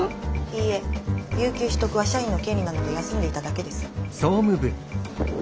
いいえ有給取得は社員の権利なので休んでいただけです。